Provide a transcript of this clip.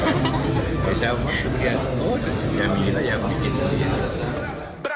saya masuk ke kamar jamila ya pak